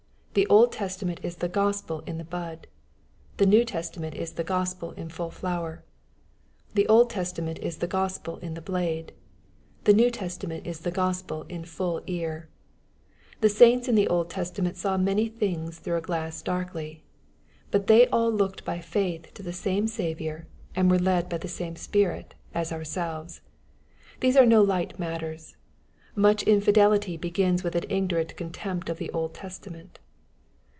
The Old Testament is the Gospel in the bud. The New Testament is the Gtospel in full flower. — The Old Testament is the Qospel in the blade. The New Testament is the Gospel in full ear. — The saints in the Old Testament saw many things through a glass darkly. But they all looked by faith to the same Saviour, and were led by the same Spirit as ourselves. These are no light matters. Much infidelity begins with an ignorant contempt of the Old Testament.